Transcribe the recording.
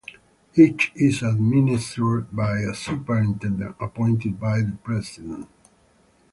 Each is administered by a superintendent appointed by the President.